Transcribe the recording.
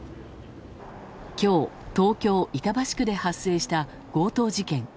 今日、東京・板橋区で発生した強盗事件。